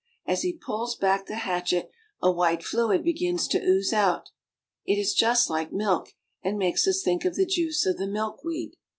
As he pulls back the hatchet a white fluid begins to ooze out. It is just like milk, and makes us think of the juice of the milkweed.